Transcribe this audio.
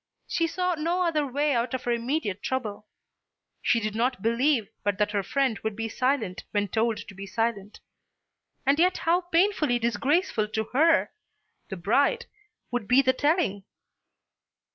She saw no other way out of her immediate trouble. She did not believe but that her friend would be silent when told to be silent; but yet how painfully disgraceful to her, the bride, would be the telling.